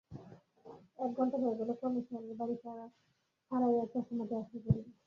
এক ঘণ্টা হইয়া গেল, ক্রমে শহরের বাড়ি ছাড়াইয়া চষা মাঠে আসিয়া পড়িল।